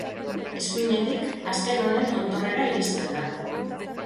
Eskuinetik, azken honen tontorrera iristen da.